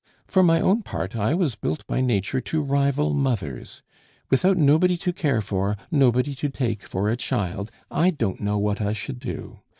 For my own part, I was built by Nature to rival mothers. Without nobody to care for, nobody to take for a child, I don't know what I should do....